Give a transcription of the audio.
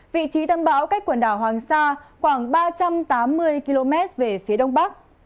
vị trí tâm bão cách quần đảo hoàng sa khoảng ba trăm tám mươi km về phía đông bắc